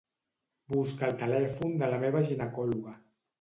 Busca el telèfon de la meva ginecòloga.